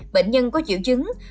bệnh nhân có triệu chứng